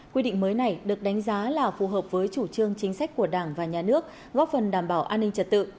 quy định mới này được đánh giá là phù hợp với chủ trương chính sách của đảng và nhà nước góp phần đảm bảo an ninh trật tự